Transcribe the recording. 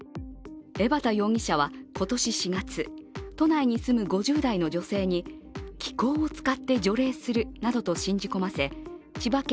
江畑容疑者は今年４月、都内に住む５０代の女性に気功を使って除霊するなどと信じ込ませ、千葉県